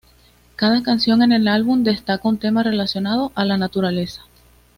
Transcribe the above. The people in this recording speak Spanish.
Cada canción en el álbum destaca un tema relacionado a la naturaleza.